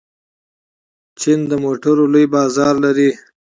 چین د موټرو لوی بازار لري.